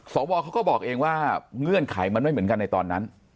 สวเขาก็บอกเองว่าเงื่อนไขมันไม่เหมือนกันในตอนนั้น